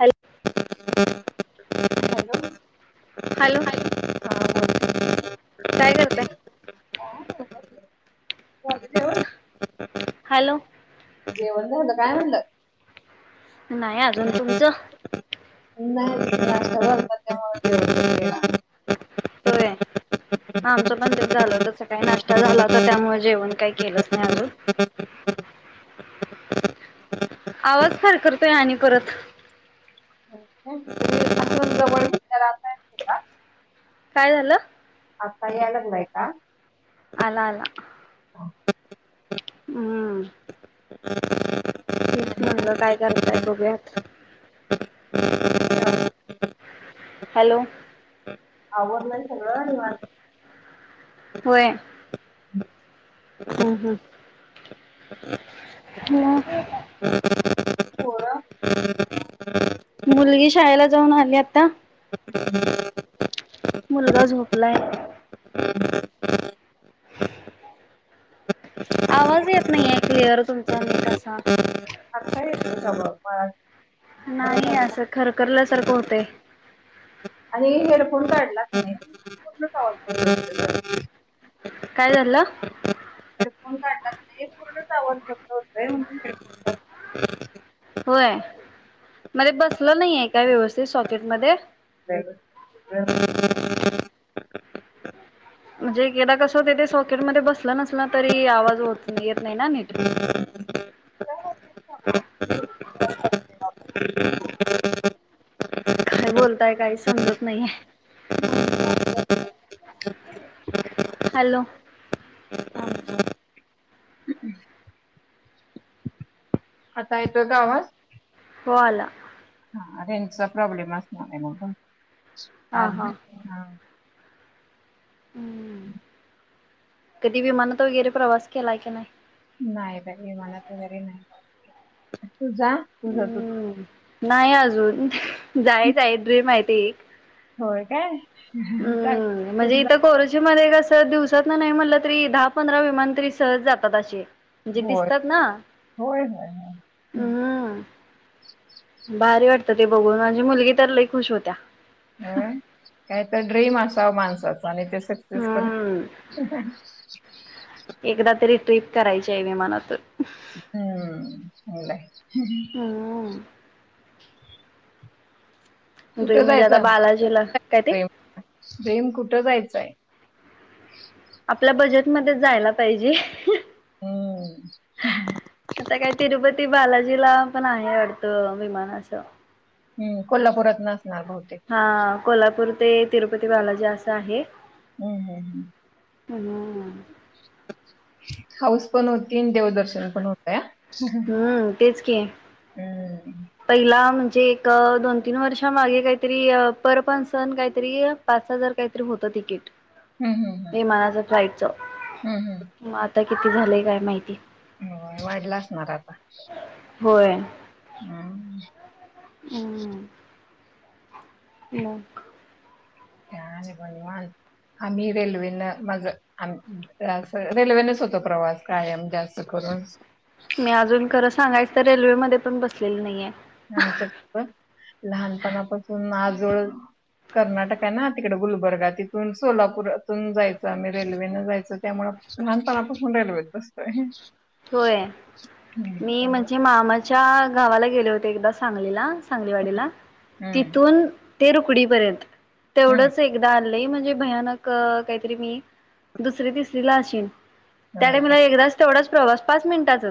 Hello [inaudible] hello hello हा काय करताय! बोला झालं हॅलो जेवण झाल काय म्हणलं! नाही अजून तुमचं नाही [unintelligible] [inaudible] होय. हा आमचं बण तेच झालं होतस काही नाश्ता झाला होता. त्यामुळे जेवण काही केलंच नाही अजून. आवाज खरखर करतोय आणि परत. [inaudible] येतोय का काय झालं. आताही [inaudible] लगलय का. अला अला. हम्म. हेच म्हणलं काय करताय बघूयात. हॅलो. आवरलंय सगळं निवांत. होय. हम् हम. [unintelligible] पोरं मुलगी शाळेला जाऊन आली आता. [inaudible] मुलगा झोपलाय. आवाज येत नाहीय क्लिअर तुमचा नीट आता. [inaudible] [inaudible] बरं नाही वाटलं. असं खरखल्यासारखं होत. आणि हेडफोन काढला. पूर्णच [inaudible] काय झालं. [inaudible] हे पूर्ण आवाज बंद होतय म्हणून. होय मध्ये बसलं नाही आहे का व्यवस्थित सॉकेट मध्ये. [inaudible] [unintelligible] म्हणजे गदा कसं हो तेे सॉकेटमध्येध्ये बसलं नसल तरी आवाज होत येत नाही निट. हम् [inaudible] [inaudible] काय बोलताय काही समजत नाहीे. हॅलो. आता येतोय का आवाज. हो आला. रेंजचा प्रॉब्लेम असणार हा आहे. हा कधी विमानात वगैरे प्रवास केला की नाही. [unintelligible] हम्म नाही अजून जायच आहे ड्रीम आहेती एक. होय काय. हम्म म्हणजे चांगलं. इथ. कोरची मध्ये कसं दिवसात ना नाही म्हटलं तरी दहा, पंधरा विमान तरी सहज जातात असी. म्हणजे होय दिसतात ना, होय होय होय हम्म. भारी वाटतं ते बघून माझी मुलगी तर लय खुश होत्या. अय काय तर ड्रीम असा माणसाच आणि ते सक्सेस पण. हम्म एकदा तरी ट्रिप करायची आहे मी मनात. हम्म होढय. हम्म. म्ह तु म्हणजे आता बालाजीला, काय ते? प्रेम कुठं जायचंय? आपल्या बजेटमध्ये जायला पाहिजे. हम्म. [unintelligible] आता काय तिरुपती बालाजीला पण आहे वाटतं विमानच. हम् कोल्हापुरात न असणार बहुतेक. हा कोल्हापूर ते तिरुपती बालाजी असं आहे. हम् हम हम्. हम्म. [inaudible] [unintelligible] हाऊस पण होती आणि देवदर्शन पण होत. [inaudible] हम्म तेच की. हम्म. पहिला म्हणजे एक दोन-तीन वर्षा मागे काहीतरी पर परसन काहीतरी. पाच हजार काहीतरी होतं तिकीट. हम हम ह. विमानाचं जायचं. हम् हम. मग आता किती झालंय काय माहिती. हो वाढला असणार आता. होय. हा. हम्. मग? काय नाही बा निवांत, आम्ही रेल्वेन मग आ जा, रेल्वेनेच होतो प्रवास कायम जास्त करून. मी अजून खरं सांगायच तर रेल्वेमध्ये पण बसलेली नाहीये. आमचं लहानपणापासून आजोळ कर्नाटक हाय ना तिकडे गुलबर्गा तिथून सोलापूरातून जायचं आम्ही रेल्वेनं जायचो त्यामुळ. लहानपणापासून रेल्वेत बसतोय. होय मी त्यामुळं म्हणजे मामाच्या गावाला गेले होते एकदा सांगलीला सगलीवाडीला हम्म तिथून ते रुकडी पर्यंत हम्म तेवढच एकदा लय म्हणजे भयानक काहीतरी मी दुसरी, तिसरी ला अशीन. त्या होय काय. टाईमला एकदाच तेवढाच प्रवास पाच मिनिटाचा.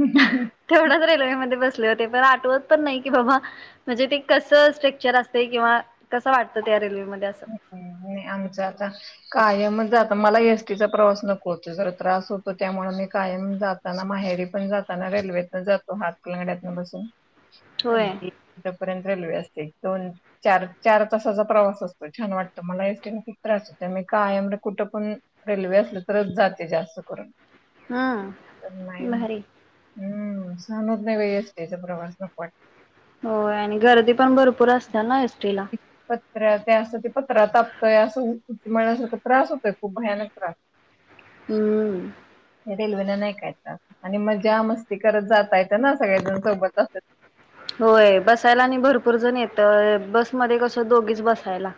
ह हं हं. तेवढाच रेल्वेमध्ये बसले होते पण आठवत पण नाही की बाबा म्हणजे ते कसं स्ट्रक्चर असतय किंवा कसं वाटतं त्या रेल्वेमध्ये अस. ह् नाही आमचं आता कायम जात मला एस टी चा प्रवास नको होतो. जरा त्रास होतो, त्यामुळे मी कायम जातो. ताना माहेरी पण जाताना रेल्वेतन जातो हातकलंगड्यातन बसून. होय अपर्यंत रेल्वे असते. दोन, चार-चार तासाचा प्रवास असतो. छान वाटतं. मला एस टी न खूप त्रास होत. मी कायम कुठं पण रेल्वे असले तरच जाते जास्त करून तर नाही. हम्म भारी हम्म, सनहूत नाही बाई एसटिच प्रवास नको वाट होय, आणि गर्दी पण भरपूर असत्या ना एस टी ला? पत्र्या ते असं ते पत्रा तापतोय, असं उचमालल्या सारखं, त्रास होतोय खूप भयानक त्रास हम्म. रेल्वे न नाही काय जात. आणि मजा मस्ती करत जाता येतं ना सगळेज सोबत अस होय, बसायला आणि भरपूर जण येत. बसमध्ये कसं दोघीच बसायला.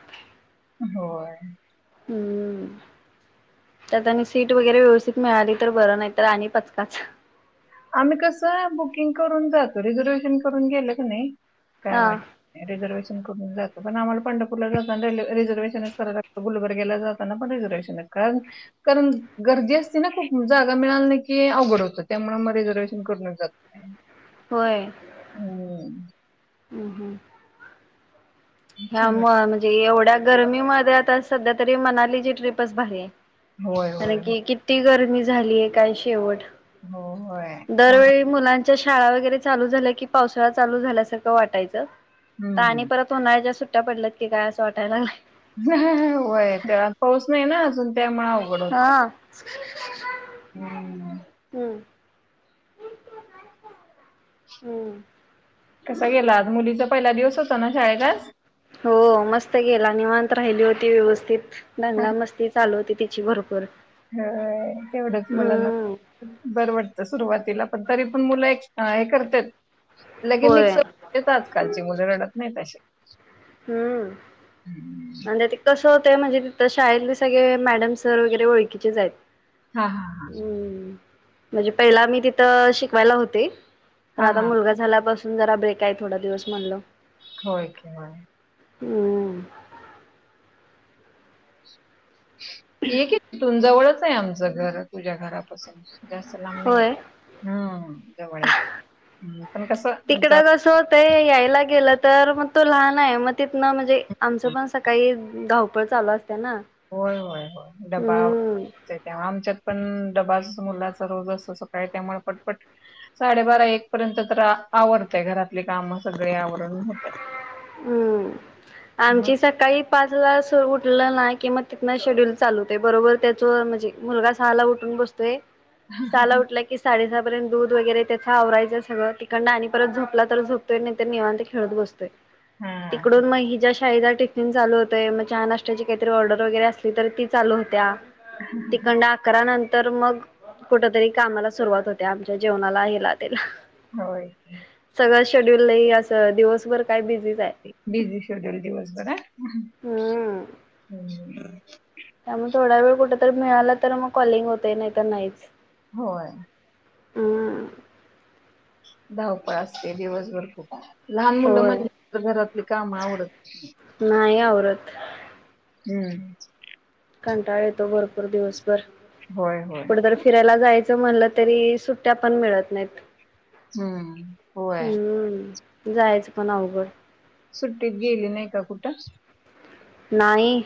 होय. हम्म. त्यात आणि सीट वगैरे व्यवस्थित मिळाली तर बरं, नाही तर आणि पचकाच. आम्ही कसं बुकिंग करून जातो. रिझर्वेशन करून गेलं कानी काय हा वाटत रिझर्वेशन करून जातो. पण आमाला पंढपूरला जाताना रिझर्वेशनच कराय लागतं. गुलबर्गेला जात त्यांना पण रिझर्वेशन, कारण कारण गर्दी असती ना खूप, मग जागा मिळाली नाही की अवघड होतं. त्यामुळे मग रिझर्वेशन करूनच जाते. होय, हम्म. हम्म-हम्म. ह्या छान वाटतं. म्हणजे एवढ्या गरमीमध्ये आता सध्या तरी मनालीची ट्रिपच भारी. होय कारण होय की किती गर्मी झाली, काय शेवट. हो होय, छान दरवेळी मुलांच्या शाळा वगैरे चालू झाल्या कि पावसाळा चालू झाल्यासारखं वाटायचं आणि हम्म परत उन्हाळ्याच्या सुट्ट्या पडल्यात की काय असं वाटायला लागले. हा-हा-हा होय, त्यावर पाऊस नाही ना अजून. त्यामुळे अवघड होत हा. [inaudible] हम्म. हम्म. कसा गेला आज, मुलीचा पहिला दिवस होता ना शाळे चा आज. हो, मस्त गेला, निवत राहिली होती व्यवस्थित, दंगामस्ती चालू होती ती ची भरपूर. होय, तेवढंच मुलांना हम्म बरं वाटतं सुरुवातीला, पण तरी पण मुलं एक काय करतात. लगेच होय मिक्स होतात. आज कालची मुलं रडत नाहीत अशी. हम्म, अन् ते. कसं होतंय, तिथं म्हणजे शाळेतली सगळे मॅडम सर वगैरे ओळखीचेच आहेत. हा-हा-हा. हम्म म्हणजे पहिला मी तिथं शिकवायला होते, पण हा हा आता हा मुलगा झाल्यापासून जरा ब्रेक आहे थोडा दिवस म्हणलं. होय, की मग. हम्म. ये की तिथून, जवळच आहे आमचं घर, तुझ्या घरापासून. जास्त लांब नाहीये, होय. हा जवळच आहे. पण कसं जात तिकडं असं होतं यायला गेलंत तर मग तो लहान आहे मग तिथनं म्हणजे आमचं पण सकाळी धावपळ चालू असते ना, होय होय होय, डबा हम्म त्याच्यामुळ आमच्यात पण डबा असतो मुलाचा रोज असतो सकाळी त्यामुळे पटपट साडेबारा एक पर्यत तर आवरतंय घरातली काम सगळे आवरून होत्यात. हम्म, आमची स सकाळी पाचला सो उठलं ना, की मग तिथनं शेड्युल चालू होतं बरोबर त्याचो म्हणजे मुलगा सहाला उठून बसतोय. सहाला उठला की साडे सहापर्यंत दूध वगैरे त्याच आवरायचं सगळ तिकडन आणि परत झोपला तर झोपतोय नाहीतर निवांत खेळत बसतोय. हा तिकडून मग हिच्या शी शाळेचा टिफिन चालू होतंय. मग चहा नाश्त्याची काहीतर ऑर्डर वगैरे असली तर ती चालू होत्या. ‌ तिकनडाक अकरा नंतर मग कुठतरी कामाला सुरुवात होते. आमच्या जेवणाला यालात्याला होय. सगळं शेड्यूल लई असं दिवसभर काय बिझी बिझी शेड्युल दिवसभर आ हा.. हम्म त्यामुळे थोडा वेळ कुठतरी मिळाला तर मग कॉलिंग होते नाही त नाहीच. होय. हम्म धावपळ असते दिवसभर खूप लहान मुलं होय [unintelligible] घरातली काम आवरत नाही आवरत. हम्म, कंटाळ येतो भरपूर दिवसभर होय होय कुठे तर फिरायला जायचं. चं म्हणलं तरी सुट्ट्या पण मिळत नाहीत. हम्म होय हम्म, जायचं पण अवघड सुट्टीत गेली नाही का कुठं? नाही.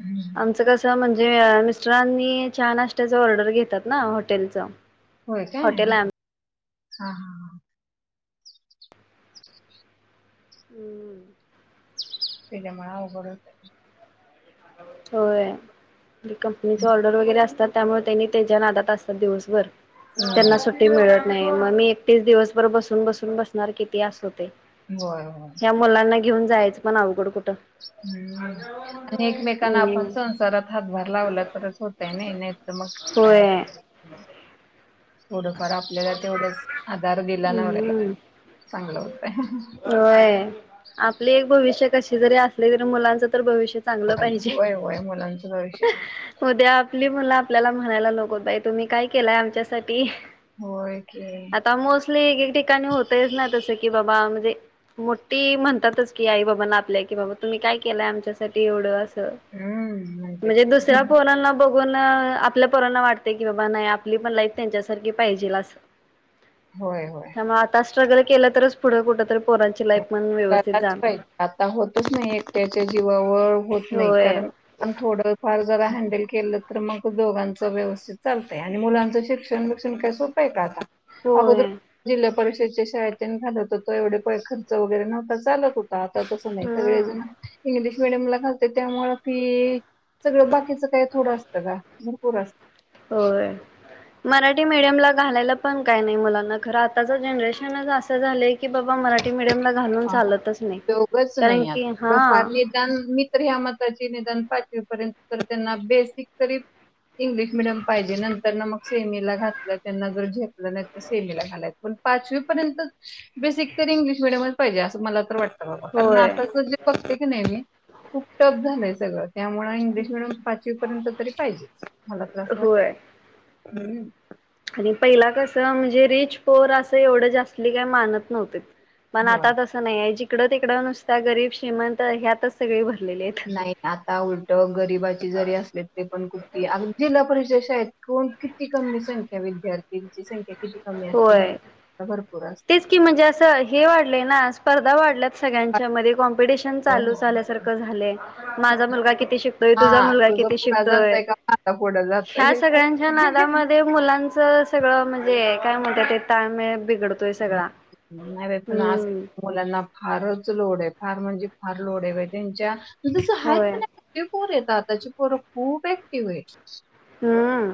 हं. आमचं कस म्हणजे मिस्टरांनी चहा नाश्ताच ऑर्डर घेतात ना, हॉटेलच. व्हय काय हा हा हा. हम्म, त्याच्यामुळे अवघड होतय. होय. कंपनीचे ऑर्डर वगैरे असतात. त्यामुळे त्यांनी त्यांच्या नादात असतात दिवसभर त्यांना हम्म सुट्टी मिळत नाही. मग मी एकटीच दिवसभर बसून बसून बसणार किती आस होतेय. होय होय. या मुलांना घेऊन जायचं पण अवघड कुठं हम्म हम्म, आणि एकमेकांना आपण हम्म संसारात हातभार लावला तरच होतय नाही, नाही तर मग काय होय अवघड थोडफार आपल्याला तेवढंच आधार दिला नवऱ्याला हम्म चांगलं होतंय. होय. आपली एक भविष्य कशी जरी असली तरी मुलांच तर भविष्य चांगलं पाहिजे. होय होय मुलांचं भविष्य चांगलं उद्या आपली मुलं आपल्याला म्हणायला नको ताई तुम्ही काय केलाय आमच्यासाठी. होय की, आता मोस्टली एक एक ठिकाणी होतयच ना, तसं की बाबा ते मोठी म्हणतातच की आई बाबांना आपल्या की बाबा तुम्ही काय केलंय आमच्यासाठी एवढं अस? हम्म म्हणतेत. बघून आपल्या पोरांना वाटतय की बाबा नाही आपली पण लाईफ त्यांच्यासारखी पाहिजेल आसं. [inaudible] होय होय. मग आता स्ट्रगल केलं तरच पुढे कुठ तरी पोरांची लाईफ पण व्यवस्थित करायलाच जाणार पाहिजे आता होतच नाही एकट्याच्या जीवावर होत नाही होय कारण थोडं फार जरा हँडल केलं तर मग दोघांचं व्यवस्थित चालतय आणि मुलांचं शिक्षण बिक्षण काय सोपं पय का आता? अगोदर होय जिल्हा परिषदच्या शाळेत तन घालत होतो, एवढे काय खर्च वगैरे नव्हता, चालत हुतं. आता तसं नाही, हम्म सगळेजण इंग्लिश मिडियम ला घालतेत त्यामुळं फी सगळं बाकीचं काही थोडं असतं का, भरपूर असतं. होय. मराठी मीडियम ला घालायला पण काय नाही मुलाना, खरं आताच जनरेशनच असं झालंय की बाबा मराठी मीडियम ला घालून चालतच नाही, उपयोगच कारण नाही आता की, हा. थोडंफार निदान, मी तर ह्या मताचीय निदान पाचवीपर्यंत तर त्यांना बेसिक तरी इंग्लिश मिडियम पाहिजे, नंतर न मग सेमीला घातलं त्यांना जर झेपलं नाही तर सेमीला घालायचं, पण पाचवी पर्यंत बेसिक तरी इंग्लिश मिडियमच पाहिजे असं मला तर वाटतं बाबा, कारण होय आताच ज बघते की नाही मी, खूप टफ झालंय सगळं. त्यामुळे इंग्लिश मिडियम पाचवी पर्यंत तरी पाहिजे, मला तर असं वाटतं होय. हम्म. आणि पहिला कसं म्हणजे रिच, पुअर असं एवढं जास्ली काय मानत नव्हते. पण आता होय तसं नाही आहे, जिकडं तिकडं नुसत्या गरीब श्रीमंत ह्यातच सगळे भरलेले आहेत. नाही, आता उलटं गरीबाची जरी असले तरी पण कुठती, अजुन जिल्हा परिषदा शाळेत कोण किती कमी संख्या विद्यार्थींची संख्या किती कमी असते, होय इंग्लिश ला भरपूर असते. तेच की म्हणजे असं, हे वाढलय ना, स्पर्धा वाढल्या सगळ्यांच्या मध्ये, कॉम्पिटिशन होय चालू होय होय झाल्यासारखं झालेय, माझा मुलगा किती शिक तोय, तुझा हां, मुलगा तुझं किती पुढं शिकतोय, जातंय का माझा पुढं जातोय ह्या हे बघ. सगळ्यांच्या नादामध्ये मुलांच चं सगळं म्हणजे काय म्हणतात ते ताळमेळ बिघड तोय सगळा नाही बाई पण आज हम्म. मुलांना फारच लोड आहे फार म्हणजे फार लोड आहे बाई त्यांच्या पण तस हाय होय पण ना ते पोर आहेत आताची पोर खूप ऍक्टिव्ह आहे. हम्म.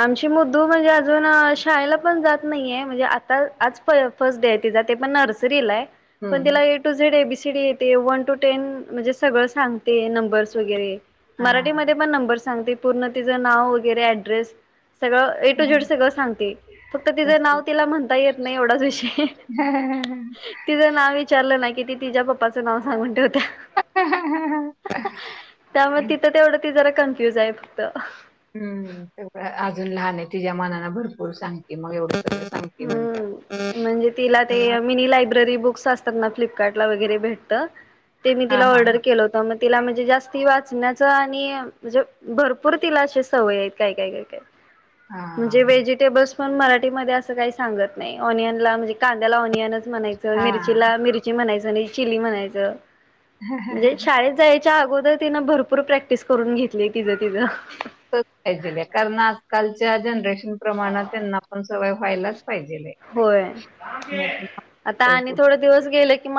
आमची मधु म्हणजे अजून शाळेला पण जात नाहीये म्हणजे आता आज फर्स्ट डे आहे तिचा ते पण नर्सरीला आहे. पण तिला हम्म. ए टू झेड एबीसीडी येते वन टू टेन म्हणजे सगळं सांगते न बर्स वगैरे, हां. मराठीमध्ये पण नंबर सांगते. पूर्ण तिचं नाव वगैरे ऍड्रेस सगळं ए टू झेड सगळं सांगते फक्त तिचं नाव तसं. तिला म्हणता येत नाही एवढाच विषये. [inaudible] तिचं नाव विचारलं ना कि ती तिच्या पप्पाचं नाव सांगून ठेवत्या. [inaudible] त्यामुळे तिथं तेवढं ती जरा कन्फ्युज आहे फक्त. हम्म तेवढं हाय अजून लहान आहे तिच्या मानाने भरपूर सांगते मग एवढं. सांगते म्हणते. हम्म म्हणजे तिला आपण ते मिनी लायब्ररी बुक्स अस. फ्लिपकार्ट ला वगैरे भेटत ते मी हां, तिला हां, ऑर्डर हां. केलं होतं म तिला म्हणजे जास्ती वाचण्याचं आणि म्हणजे भरपूर तिला अशे सवय आहेत काय काय काय काय म्हणजे व्हेजिटेबल्स पण मराठीमध्ये अस काही सांगत नाही ऑनियनला म्हणजे कांद्याला ऑनियनच म्हणायचं मिरची हां. मिरची म्हणायचं नाही चिली म्हणायचं म्हणजे हां. शाळेत जायच च्या अगोदर तिनं भरपूर प्रॅक्टिस करून घेतली तिचं तिचं पाहिजे कारण आजकालच्या जनरेशन प्रमाणात त्यांना पण सवय व्हायलाच पाहिजेलये होय आता आणि थोड दिवस गेले की मला